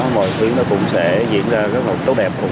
mọi chuyến cũng sẽ diễn ra rất là tốt đẹp